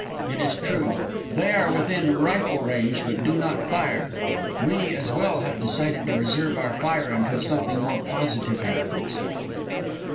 It is true. They are within rifle range, but do not fire. We, as well, have decided to reserve our fire until something more positive happens.